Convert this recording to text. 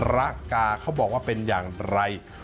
ระกาเขาบอกว่าเป็นอย่างไร